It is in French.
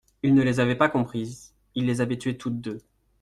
Il ne les avait pas comprises, il les avait tuées toutes deux.